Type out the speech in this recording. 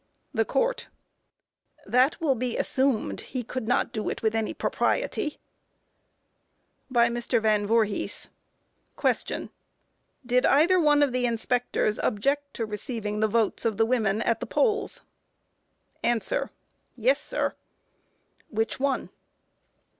THE COURT: That will be assumed. He could not do it with any propriety. By MR. VAN VOORHIS: Q. Did either one of the inspectors object to receiving the votes of the women at the polls? A. Yes, sir. Q. Which one?